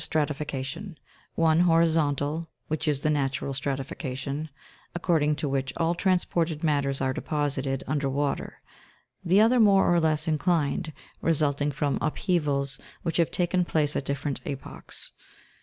185 stratification : one horizontal (which is the natural stratification), according to which all transported matters are deposited under water ; the other more or less inclined, resulting from upheavals which have taken place at different epochs.